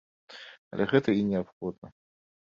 Але гэта і неабходна.